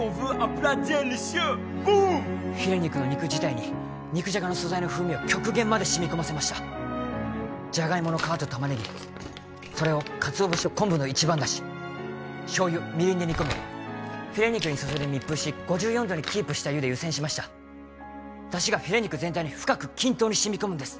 フィレ肉の肉自体に肉じゃがの素材の風味を極限まで染み込ませましたじゃがいもの皮とタマネギそれをカツオ節と昆布の一番出汁醤油みりんで煮込みフィレ肉に注いで密封し５４度にキープした湯で湯煎しました出汁がフィレ肉全体に深く均等に染み込むんです